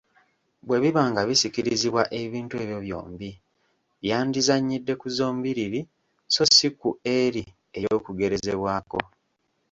Bwe biba nga bisikirizibwa ebintu ebyo byombi, byandizannyidde ku zombiriri so ssi ku eri ey’okugerezebwako.